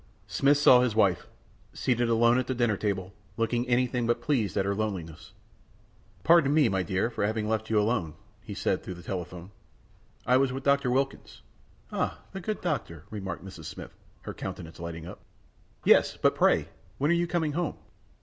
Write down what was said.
Smith saw his wife, seated alone at the dinner table, looking anything but pleased at her loneliness. "Pardon me, my dear, for having left you alone," he said through the telephone. "I was with Dr. Wilkins." "Ah, the good doctor!" remarked Mrs. Smith, her countenance lighting up. "Yes. But, pray, when are you coming home?"